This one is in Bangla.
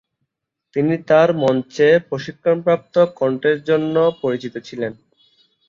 তিনি তার মঞ্চে প্রশিক্ষণপ্রাপ্ত কণ্ঠের জন্য পরিচিত ছিলেন।